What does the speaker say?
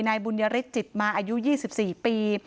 นายบุญยฤทธิจิตมาอายุ๒๔ปี